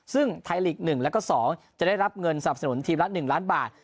ซึ่งไทยลีก๑แล้วก็๒จะได้รับเงินสนับสนุนทีมละ๑ล้านบาท